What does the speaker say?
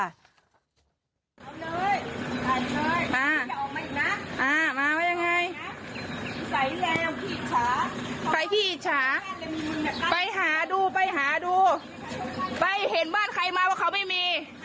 อ่าอ่ามาว่ายังไงไปหาดูไปหาดูไปเห็นบ้านใครมาว่าเขาไม่มี